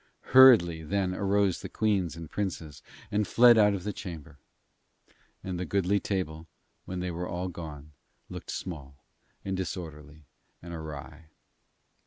Hurriedly then arose the Queens and Princes, and fled out of the chamber. And the goodly table, when they were all gone, looked small and disorderly and awry.